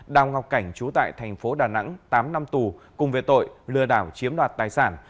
đào ngọc cảnh chú tại thành phố đà nẵng tám năm tù cùng về tội lừa đảo chiếm đoạt tài sản